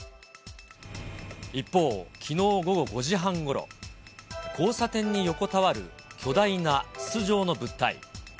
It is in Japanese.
一方、きのう午後５時半ごろ、交差点に横たわる巨大な筒状の物体。